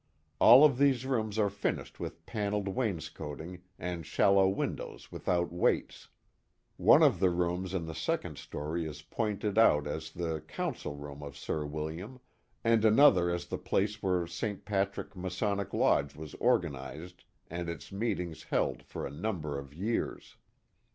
All of these rooms are finished with panelled wainscoting and shallow windows without weights. One of the rooms in the second story is pointed out as the council room of Sir William, and another as the place where St. Pat rick Masonic Lodge was organized and its meetings held for a number of years.